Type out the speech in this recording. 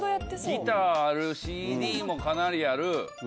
ギターあるＣＤもかなりある。